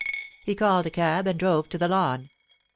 He called a cab and drove to the Lawn.